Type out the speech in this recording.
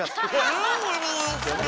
はいお願いします。